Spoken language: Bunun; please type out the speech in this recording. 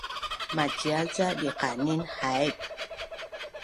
Macial ca diqanin haip